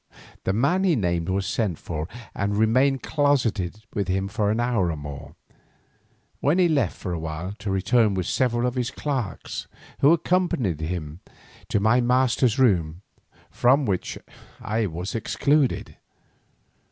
The man he named was sent for and remained closeted with him for an hour or more, when he left for a while to return with several of his clerks, who accompanied him to my master's room, from which I was excluded.